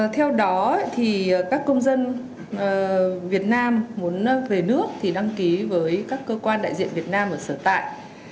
theo đó thì các công dân việt nam muốn về nước thì đăng ký với các cơ quan đại diện việt nam ở sở tại